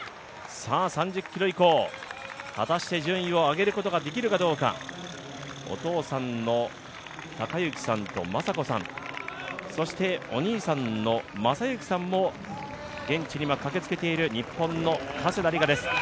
３０ｋｍ以降、果たして順位を上げることができるかどうかお父さんの孝之さんと正子さんそして、お兄さんの雅之さんも現地に今駆けつけている日本の加世田梨花です